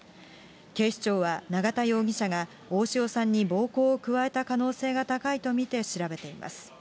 警視庁は永田容疑者が大塩さんに暴行を加えた可能性が高いと見て調べています。